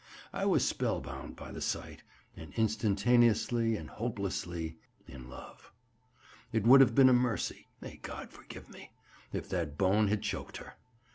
I was spellbound by the sight, and instantaneously and hopelessly in love. It would have been a mercy—may God forgive me!—if that bone had choked her.